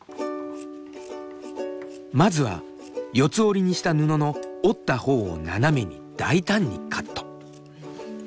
まずは四つ折りにした布の折ったほうを斜めに大胆にカット。